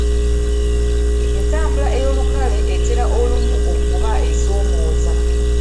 Entambula ey'olukale etera olumu okuba esoomooza.